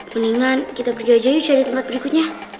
mendingan kita pergi aja yuk cari tempat berikutnya